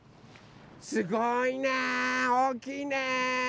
すごいねおおきいね！